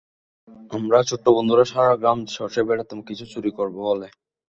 আমরা ছোট্ট বন্ধুরা সারা গ্রাম চষে বেড়াতাম কিছু চুরি করব বলে।